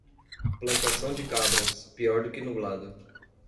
Plantação de cabras, pior do que nublado.